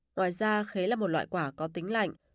ngoài ra khế là một loại quả có tính lạnh